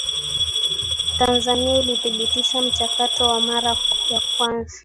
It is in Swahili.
Tanzania ilidhibiti mchakato kwa mara ya kwanza